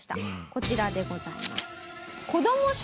こちらでございます。